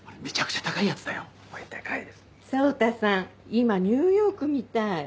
今ニューヨークみたい。